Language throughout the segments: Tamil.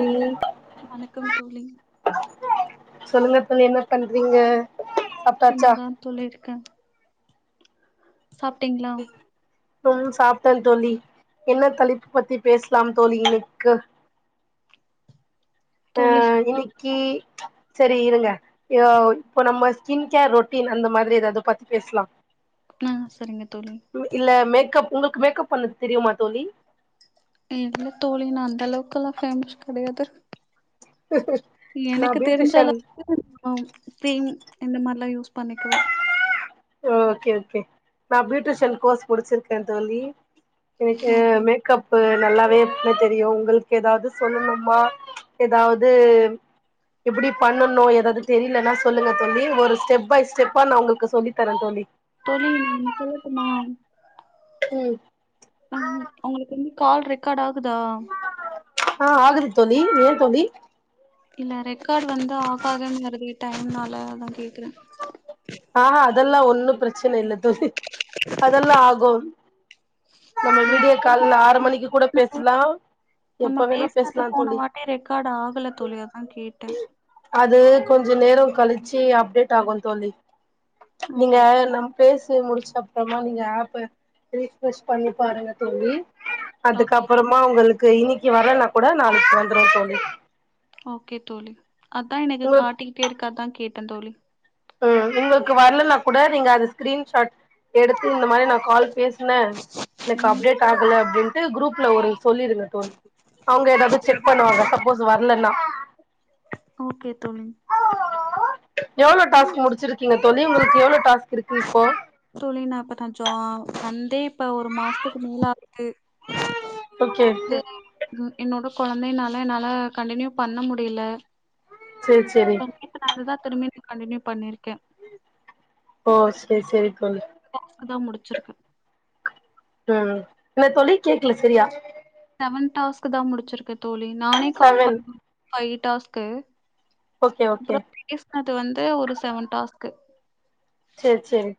ம் வணக்கம் தோழி சொல்லுங்க தோழி என்ன பண்றீங்க சாப்ட்டாச்சா சும்மாதா தோழிருக்கே சாப்ட்டீங்களா சாப்பிட்டேன தோழி என்ன தலைப்பு பத்தி பேசலாம் தோழி இன்னைக்கு ஓ தோழி இன்னிக்கி சரி இருங்க ஒ இப்போ நம்ம ஸ்கின் கேர் ரொட்டீன் அந்த மாதிரி எதாது பத்தி பேசுலா ம் சரிங்க தோழி இல்ல மேக்கப் உங்களுக்கு மேக்கப் பண்ண தெரியுமா தோழி இ தோழி நா அந்த அளவுக்குல்லா ஃபேமஸ் கிடையாது ச எனக்கு தெரிஞ்ச அளவு ந கிரீம் இந்த மாரிலா யூஸ் பண்ணிக்குவே ஓகே ஓகே நா பியூட்டீஷியன் கோர்ஸ் குடிச்சிருக்கே தோழி எனக்கு ஓகே மேக்கப் இ நல்லாவேனு [inaudible] தெரியும் உங்களுக்கு ஏதாவது சொல்லணுமா ஏதாவது எப்டி பண்ணனு ஏதாது தெரிலன்னா சொல்லுங்க தோழி ஒரு ஸ்டெப் பை ஸ்டெப்பா நா உங்களுக்கு சொல்லி தர தோழி தோழி ஒன்னு சொல்லட்டுமா ம் ஆ உங்களுக்கு வந்து கால் ரெக்கார்ட் ஆகுதா ஆ ஆகுது தோழி ஏ தோழி இல்ல ரெக்கார்டு வந்து ஆக ஆக வருது டைம் நால அதா கேக்குறே ஆஹா அதெல்லா ஒன்னு பிரச்சன இல்ல தோழி அதெல்லா ஆகு நம்ம அப்படியா வீடியோ கால்ல ஆறு மணிக்கு கூட பேசுலா நம்ம பேசுனது போன வாட்டே ரெக்கார்டு ஆகல தோழி அதா கேட்டே அது கொஞ்சோ நேரோ கழிச்சு அப்டேட் ஆகு தோழி நீங்க ஓகே நம் பேசி முடிச்ச அப்றமா நீங்க ஆப்ப ரீவ்ரேஸ் பண்ணி பாருங்க தோழி ஓகே தோழி அதுக்கப்பறமா உங்களுக்கு இன்னைக்கு வரலன்னா கூட நாளைக் வந்துரு தோழி ஓகே தோழி அதா எனக்கு உங்களுக்கு காட்டிக்கிட்டே இருக்கு அதா கேட்டே தோழி ம் உங்களுக்கு வரலன்னா கூட நீங்க அது ஸ்கிரீன்ஷாட் எடுத்து இந்த மாரி நா கால் பேசி என்ன எனக்கு ம் அப்டேட் ஆகல அப்டின்ட்டு குரூப்ல ஒரு சொல்லிருங்க அவுங்க ஏதாது செக் பண்ணுவாங்க சப்போஸ் வரலன்னா ஓகே தோழி எவ்ளோ டாஸ்க் முச்சிருக்கீங்க தோழி உங்களுக்கு எவ்ளோ டாஸ்க் இருக்கு இப்போ தோழி நா இப்பதான் ஜாப் வந்தே இப்ப ஒரு மாசத்துக்கு மேல ஆகுது ஓகே [inaudible] என்னோட குழந்தைன்னால என்னால கண்டினியூ பண்ண முடியியல சேர் சேரி நேத்து வந்து தா திரும்பி ந கண்டின்யூ பண்ணிருக்கே ஓ சேரி சேரி தோழி டாஸ்க் தா முடிச்சிருக்கே ம் என்ன தோழி கேக்ல சரியா செவன் டாஸ்க் தா முடிச்சிருக்க தோழி நானே கால் செவன் பண்ண ஃபை டாஸ்கு ஓகே ஓகே பேஸ்னது வந்து ஒரு செவன் டாஸ்க்கு சேர் சேரி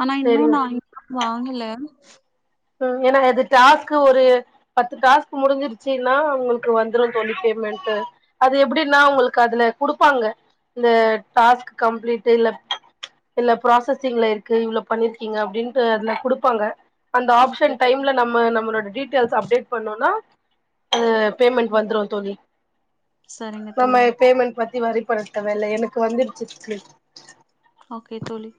ஆனா இன்னு சேரிங்க நா இன்னு வாங்கல ம் ஏனா எது டாஸ்க்கு ஒரு பத்து டாஸ்க் முடிஞ்சிருச்சினா உங்ளுக்கு வந்துரு தோழி பேமெண்ட்டு அது எப்டின்னா உங்களுக்கு அதுல குடுப்பாங்க இந்த டாஸ்க் கம்ப்ளீட் இல்ல இல்ல ப்ராசஸிங்ல இருக்கு இவ்வளோ பண்ணிருக்கீங்க அப்டின்ட்டு அதுல குடுப்பாங்க அந்த ஓகே ஆப்ஷன் தோழி டைம்ல நம்ம நம்மளோட டீட்டெயில்ஸ் அப்டேட் பண்ணோனா அ பேமெண்ட் வந்துரு தோழி சரிங்க நம்ம தோழி பேமெண்ட் பத்தி ஒரிப்படுத் தேவல்ல எனக்கு வந்துடுச்சு [unintelligible] ஓகே தோழி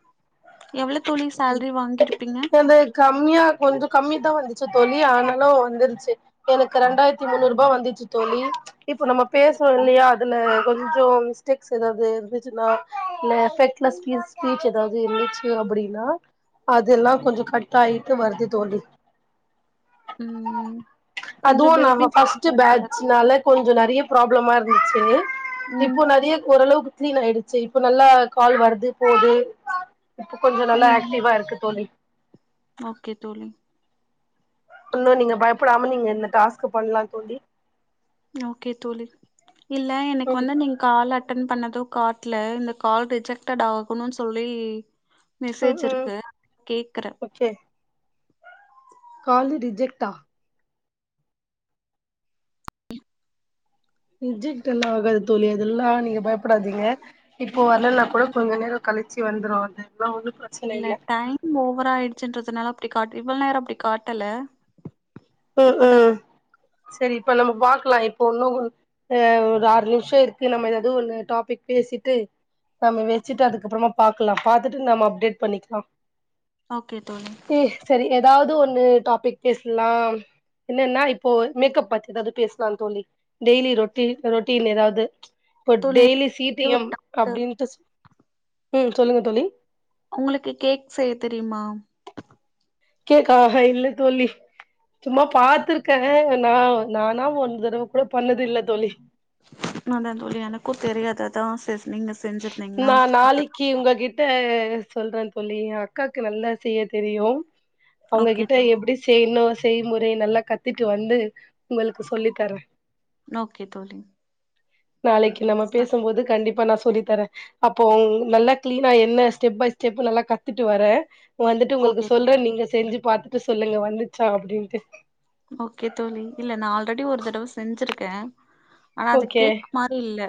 எவ்ளோ தோழி சேலரி வாங்கிருப்பீங்க அது கம்மியா கொஞ்ச கம்மி தா வந்துச்சு தோழி ஆனாலு வந்துருச்சு எனக்கு ரெண்டாயிரத்தி முன்னூறு ரூபா வந்துச்சு தோழி இப்ப நம்ம பேசறோ இல்லையா அதுல கொஞ்சோ மிஸ்டேக்ஸ் எதாவது இருந்துச்சுன்னா இல்ல எஃபெக்ட்லெஸ் ஸ்பீச் ஸ்பீச் எதாவது இருந்துச்சு க்யூர் அப்படின்னா அதெல்லா கொஞ்சோ கட் ஆயிட்டு வருது தோழி ம் கொஞ்சோ அதுவு பேபி நாம ஃபர்ஸ்ட் சவுண்டா இருக்குல்ல பேட்சனால கொஞ்ச நெறைய ப்ராப்ளமா இருந்துச்சு ம் இப்போ நெறைய ஓரளவுக் கிளீன் ஆயிடுச்சு இப்ப நல்லா கால் வருது போது இப்ப கொஞ்சோ நல்லா ம் ஆக்டிவாருக்கு தோழி ஓகே தோழி ஒன்னு நீங்க பயப்படாம நீங்க இந்த டாஸ்க்க பண்ணலா தோழி ஓகே தோழி இல்ல எனக்கு ம் வந்து நீங்க கால் அட்டன் பண்ணதூ காட்ல இந்த கால் ரிஜெக்டட் ஆகணுன்னு சொல்லி ம் மெசேஜ் ம் இருக்கு கேக்குற ஓகே காலு ரிஜெக்ட்டா ரிஜெக்ட் எல்லா ஆகாது தோழி அதெல்லா நீங்க பயப்படாதீங்க இப்போ வர்லன்னா கூட கொஞ்ச நேர கழிச்சு வந்துரு அதுல்லா ஒன்னு பிர இல்ல டைம் ஓவரா ஆயிடுச்சுன்றதுனால அப்டி காட்டி இவ்ளநேர அப்டி காட்டல ம் இப்பதா ம் சரி இப்ப நம்ம பாக்கலா இப்போ ஒன்னு கொ ஆ ஒரு ஆறு நிமிஷ இருக்கு நம்ம ஏதாவது ஒன்னு டாப்பிக் பேசிட்டு நம்ம வச்சுட்டு அதுக்கப்புறமா பாக்கலா பாத்துட்டு நம்ம அப்டேட் பண்ணிக்கலா ஓகே தோழி சரி ஏதாவது ஒன்னு டாபிக் பேசலாம் என்னன்னா இப்போ மேக்கப் பத்தி ஏதாவ்து பேஸ்லா தோழி டெய்லி ரொட்டி ரொட்டீன் ஏதாவ்து இப்ப தோழி டெய்லி எனக்கு சி ஒரே ஒரு டபிஎம் டவுட்டு அப்டின்ட்டு ம் சொல்லுங்க தோழி உங்ளுக்கு கேக் செய்ய தெரியுமா கேக்கா இல்ல தோழி சும்மா பாத்துருக்க நா நானா ஒன் தரவ கூட பண்ணதுல்ல தோழி அதா தோழி எனக்கு தெரியாது அதா சேர் நீங்க செஞ்சிருந்தீங்கன்னா நா நாளைக் கி கத்துக்கலா உங்ககிட்ட சொல்ற தோழி அக்காக்கு நல்லா செய்ய தெரியு ஓகே அவங்ககிட்ட தோழி எப்டி செய்ணு செய்முறை நல்லா கத்திட்டு வந்து உங்களுக்கு சொல்லி தரே ஓகே தோழி நாளைக்கு நம்ம பேசும்போது கண்டிப்பா நா சொல்லி தரே அப்போ நல்லா கிளீனா என்ன ஸ்டெப் பை ஸ்டெப் நல்லா கத்துட்டு வரே வந்துட்டு உங்ளுக்கு ஓகே சொல்ற தோழி நீங்க செஞ்சு பாத்துட்டு சொல்லுங்க வந்துச்சா அப்டின்ட்டு ஓகே தோழி இல்ல நான் ஆல்ரெடி ஒரு தடவை செஞ்சிருக்கேன் ஆனா அது ஓகே கேக் மாரி இல்ல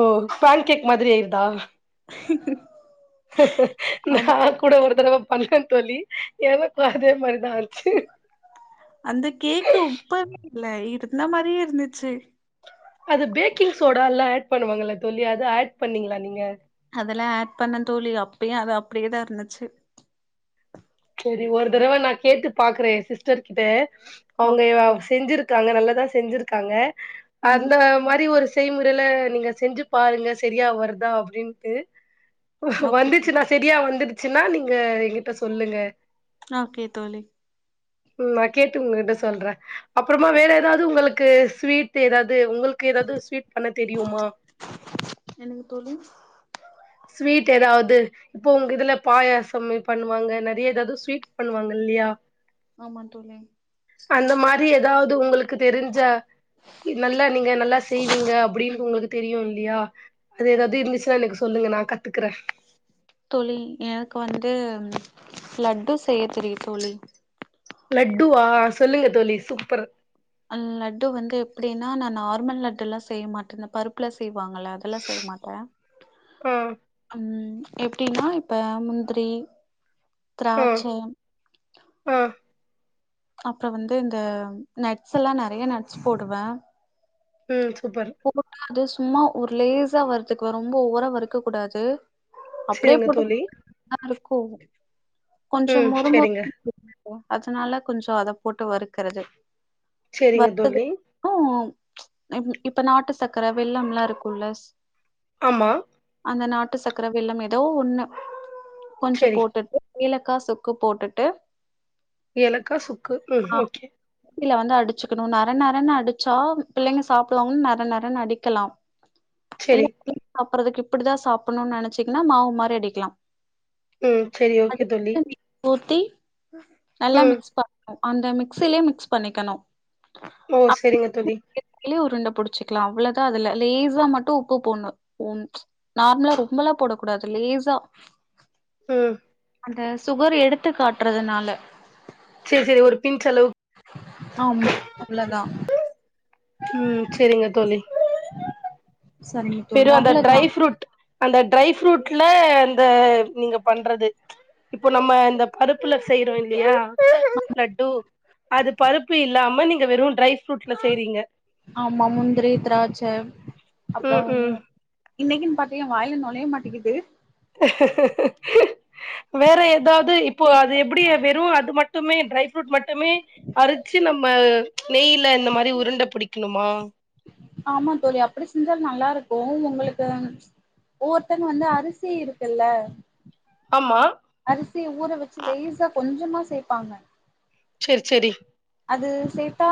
ஓ பேன் கேக் மாதிரி ஆய்ருதா [unintelligible] அது நான் கூட ஒரு தடவ பண்ணேன் தோழி எனக்கும் அதே மாரிதான் ஆ அந்த கேக்கு உப்பவே இல்ல இருந்த மாதிரியே இருந்துச்சு அது பேக்கிங் சோடா எல்லா ஆட் பண்ணுவாங்களல்ல தோழி அது ஆட் பண்ணீங்களா நீங்க? அதெல்லாம் ஆட் பண்ணேன் தோழி அப்பயும் அது அப்டியே தான் இருந்துச்சு சரி ஒரு தடவை நான் கேட்டு பாக்குறேன் என் சிஸ்டர் கிட்ட ஓகே அவுங்க தோழி செஞ்சிருக் காங்க நல்லதா செஞ்சிருக்காங்க ம் அந்த மாரி ஒரு செய்முறையில நீங்கள் செஞ்சு பாருங்க சரியா வருதா அப்டின்ட்டு ஓகே வந்துச்சுன்னா தோழி சரியா வந்துருச்சுன்னா நீங்க எங்கிட்ட சொல்லுங்க ஓகே தோழி ம் நான் கேட்டு உங்ககிட்ட சொல்றேன். அப்பறமா வேற ஏதாவது உங்களுக்கு ஸ்வீட் ஏதாவது உங்களுக்கு ஏதாவது ஸ்வீட் பண்ண தெரியுமா? என்னங்க தோழி ஸ்வீட் ஏதாவ்து இப்போ உங்க இதுல பாயாசம் பண்ணுவாங்க நிறைய ஏதாவது ஸ்வீட் பண்ணுவாங்க இல்லையா? ஆமா தோழி அந்த மாரி ஏதாவது உங்களுக்கு தெரிஞ்சா நல்லா நீங்க நல்லா செய்வீங்க அப்டின்னு உங்களுக்கு தெரியும் இல்லையா அது ஏதாவது இருந்துச்சுன்னா எனக் சொல்லுங்க நான் கத்துக்குறேன் தோழி எனக்கு வந்து லட்டு செய்ய தெரியு தோழி லட்டுவா சொல்லுங்க தோழி சூப்பர் ஆ லட்டு வந்து எப்டின்னா நான் நார்மல் லட்டு எல்லாம் செய்ய மாட்டேன் இந்த பருப்புல செய்வாங்கள... எல்லாம் செய்ய மாட்டேன் ஆ ம் எப்டின்னா இப்ப முந்திரி ஆ திராட்ச ஆ அப்போ வந்து இந்த நட்ஸ் எல்லாம் நறைய நட்ஸ் போடுவேன் ம் சூப்பர் போட்டா அது சும்மா ஒரு லேஸா வறுத்துக்குவேன் ரொம்ப ஓவ்வரா வறுக்க கூடாது அப்டியே சரிங்க போட்டு தோழி [inaudible] இருக்கும் கொஞ்சம் ம் மொறு சரிங்க மொறு [inaudible] அதனால கொஞ்சம் அத போட்டு வறுக்குறது சரிங்க வறுத்தது தோழி க்கு இப் இப்ப நாட்டுச் சக்கர வெல்லம் எல்லா இருக்கும்ல ஆமா அந்த நாட்டு சக்கர வெல்லம் ஏதோ ஒன்னு கொஞ்சம் சரி போட்டுட்டு ஏலக்கா சுக்கு போட்டுட்டு ஏலக்கா சுக்கு ம் ஓகே மிக்சில வந்து அடிச்சுக்கணும் நர நரன்னு அடிச்சா பிள்ளைங்க சாப் தொங் நர நரனு அடிக்கலாம் இல்ல சரி அப்ப அதுக்கு இப்டிதா சாப்பணும்னு நினைச்சங்கன்னா மாவு மாறி அடிக்கலாம் ம் சரி ஓகே தோழி வந்து ஊத்தி நல்லா ம் மிக்ஸ் பண்ணணு அந்த மிக்சிலயே மிக்ஸ் பண்ணிக்கணு ஓ சரிங்க தோழி இல்ல உருண்டை புடிச்சுக்கலாம் அவ்ளோதான் அதுல லேஸா மட்டும் உப்பு போண்ணும் நார்மலா ரொம்பெலாம் போடக் கூடாது லேஸா ம் அந்த சுகர் எடுத்து காட்டுறதுனால சேரி சேரி ஒரு பின்ச் அளவு ஆமா அவ்ளதா ம் செரிங்க தோழி சரிங்க தோழி வெறு அந்த அவ்ளதா ட்ரை ஃப்ரூட் அந்த ட்ரை ஃப்ரூட்ல இந்த நீங்க பண்றது இப்ப நம்ம இந்தப் பருப்புல செய்றோ இல்லையா லட்டூ அது பருப்பு இல்லாம நீங்க வெறு டரைஃப் ஃப்ரூட்ல செய்றீங்க ஆமா முந்திரி திராட்ச ம் அப்புறம் இன்னிக்கின் பாத்து ஏ வாயில நொழையமாட்டிக்கிது வேற எதாவ்து இப்போ அது எப்படி வெறு அது மட் துமே ட்ரை ஃப்ரூட் மட்டுமே அரிச்சு நம்ம நெய்ல இந்த மாரி உருண்ட புடிக்கணுமா ஆமா தோழி அப்படி செஞ்சால் நல்லாருக்கு உங்களுக்கு ஒவ்வொர்த்தங்க வந்து அரிசி இருக்குல்ல ஆமா அரிசி ஊற வெச்சு லேஸா கொஞ்சமா சேப்பாங்க சேர் செரி அது சேத்தா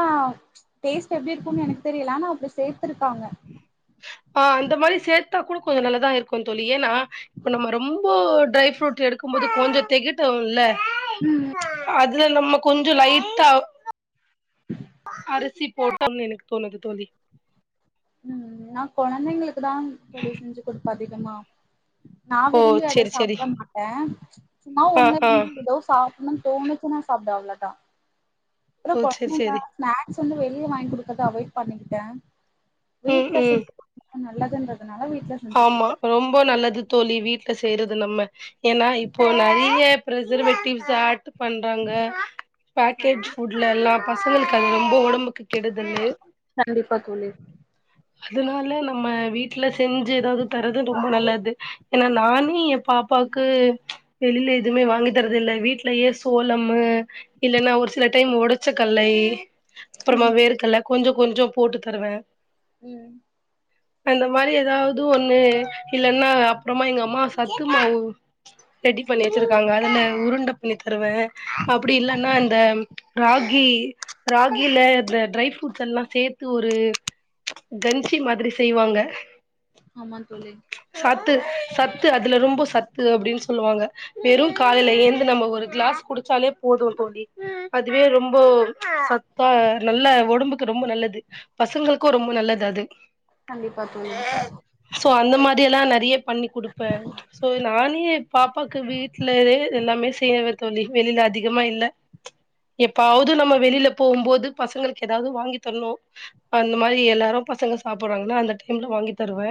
டேஸ்ட் எப்டி இருக்குன்னு எனக்கு தெரியல அனா அப்படி சேத்திருக்காங்க ஆ அந்த மாரி சேத்தா கூட கொஞ்சோ நல்லாதா இருக்கு தோழி ஏன்னா இப்ப நம்ம ரொம்போ ட்ரை ஃப்ரூட் எடுக்கும் போது கொஞ்ச தெகட்டுல ம் அதுல நம்ம கொஞ்சோ லைட்டா அரிசி போட் தம் எனக்கு தோணுது தோழி ம் ம் நா கொழந்தைங்களுக்கு தா தோழி செஞ்சு குடுப்ப அதிகமா நா ஓ விரும்பி அத செரி செரி சாப்படமாட்ட சும்மா ஆ ஒன்ன ஆ [inaudible] எதோ சா னு தோணுச்சுன்னா சாப்டு அவ்ளதா ஏன்னா ஓ செரி கொழைந்தைங்க செரி ஸ்நாக்ஸ் வந்து வெளிய வாங்கி குடுக்கர்த அவாய்ட் பண்ணிக்கிட்ட ம் வீட்ல ம் சுட் அ நல்லதுந்த ஆமா ரொம்ப நல்லது தோழி வீட்ல செய்றது நம்ம ஏன்னா இப்போ நெறைய ப்ரிசர்வேட்டிவ்ஸ் ஆட் பண்றாங்க பேக்கேஜ் ஃபுட்ல எல்லா பசங்களுக்கு அது ரொம்ப ஒடம்புக்கு கெடுதலு கண்டிப்பா தோழி அதுனால நம்ம வீட்டுல செஞ்சு எதாவது தர்றது ரொம்ப நல்லது ஏன்னா நானே எ பாப்பாக்கு வெளியில எதுவுமே வாங்கி தர்றதில்ல வீட்லயே சோளம்மு இல்லன்னா ஒரு சில டைம் ஒடச்ச கல்லை ம் அப்பறமா வேர்கல்ல கொஞ்சோ கொஞ்சோ போட்டு தருவே ம் அந்த மாரி ஏதாவது ஒண்ணு இல்லைன்னா அப்புறமா எங்க அம்மா சத்து மாவு ரெடி பண்ணி வச்சிருக்காங்க அதுல உருண்ட பண்ணி தருவ அப்டி இல்லன்னா இந்த ராகி ராகில த ட்ரை ஃப்ரூட்ஸெல்லா சேத்து ஒரு கன்சி மாதிரி செய்வாங்க ஆமா தோழி சத்து சத்து அதுல ரொம்ப சத்து அப்டின் சொல்லுவாங்க வெறு காலைல ஏந்து நம்ம ஒரு கிளாஸ் குடுச் சாலே போது தோழி அதுவே ரொம்போ சத் தா நல்ல ஒடம்புக்கு ரொம்ப நல்லது பசங்களுக்கு ரொம்ப நல்லது அது கண்டிப்பா தோழி சோ அந்த மாரில்லா நெறைய பண்ணி குடுப்ப சோ நானே பாப்பாக்கு வீட்லே எல்லாமே செய்யவே தோழி வெளியில அதிகமா இல்ல எப்பாவது நம்ம வெளியல போகும் போது பசங்களுக்கு ஏதாவது வாங்கி தரணு அந்த மாரி எல்லாரு பசங்க சாப்படுறாங்கன்னா அந்த டைம்ல வாங்கி தருவே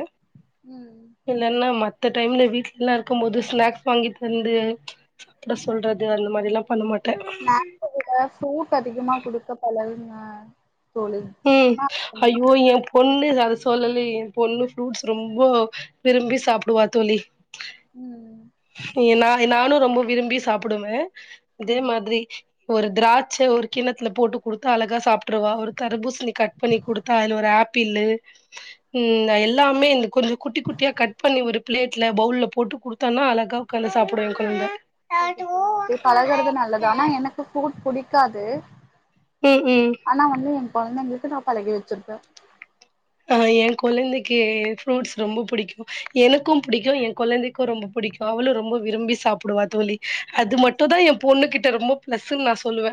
ம் இல்லன்னா மத்த டைம்ல வீட்ல எல்லா இருக்கும் போது ஸ்நாக்ஸ் வாங்கி தந்து ம்ச் சாப்பட சொல்றது அந்த மாதிரில்லா பண்ண ஸ்நாக்கு பதிலா ஃப்ரூட் அதிகமா குடுக்க பழகுங்க தோழி ம் ஆனா அய்யோ எ பொண்ணு அத சொல்லலயே என் பொண்ணு ஃப்ரூட்ஸ் ரொம்ப விரும்பி சாப்பிடுவா தோழி ம் ஏ நா நானு ரொம்ப விரும்பி சாப்டுவே அதே ம் மாதிரி ஒரு திராட்சை ஒரு கிண்ணத்துல போட்டு குடுத்து அழகா சாப்ட்டுருவா ஒரு தர்பூசணி கட் பண்ணி குடுத்தா அதுல ஒரு ஆப்பிளு ம் இந்த எல்லாமே இந்த கொஞ்ச குட்டி குட்டியா கட் பண்ணி ஒரு பிளேட்ல பவுல்ல போட்டு குடுத் தானா அழகா உக்காந்து சாப்டுவே எ கொழந்த எ பழகுறது நல்லதுா ஆனா எனக்கு ஃப்ரூட் புடிக்காது ம் ம் ஆனா வந்து என் குழந்தைகளுக்கு நா பழகி வச்சுருப்பே ஆ எ குழந்தைக்கு ஃப்ரூட்ஸ் ரொம்ப புடிக்கு எனக்கு புடிக்கு எ கொழந்தைக்கு ரொம்ப பிடிக்கு அவளு ரொம்ப விரும்பி சாப்டுவா தோழி அது மட்டுதா சூப்பர் எ தோழி பொண்ணு கிட்ட ரொம்ப பிளஸ்சுனு நா சொல்லுவே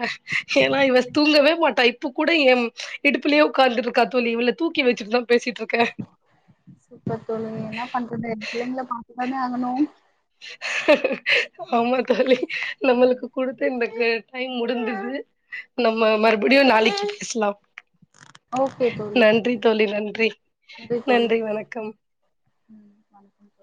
ஏன்னா இவ தூங்கவே மாட்டா இப்பகூட என் இடுப்புலயே உக்காந்துட்டு இருக்கா தோழி இவள தூக்கி வச்சிட்டு தா பேசிட்ருக்கே சூப்பர் தோழி என்ன பண்றது பிள்ளைங்க பாத்துதானே ஆகணு ஆமா தோழி நம்மளுக்கு குடுத்த இந்த டைம் முடிந்தது நம்ம மறுபடியு நாளைக்கு பேசலாம் ஓகே தோழி நன்றி தோழி நன்றி நன்றி வணக்கம் ம் வணக்கம் தோழி